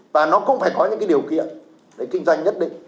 và nó cũng phải có những điều kiện để kinh doanh nhất định